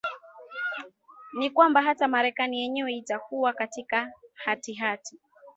ni kwamba hata marekani yenyewe itakuwa katika hatihati